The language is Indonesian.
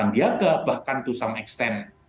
sandiaga bahkan to some extent